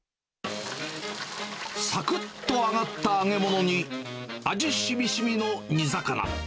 さくっと揚がった揚げ物に、味しみしみの煮魚。